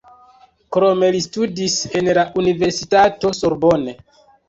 Krome li studis en la universitato Sorbonne.